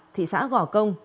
thị xã gò công